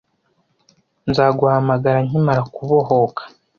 Nzaguhamagara nkimara kubohoka.